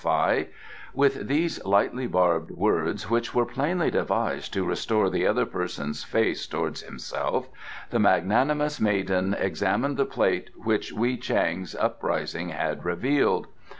With these lightly barbed words, which were plainly devised to restore the other person's face towards himself, the magnanimous maiden examined the plate which Wei Chang's uprising had revealed.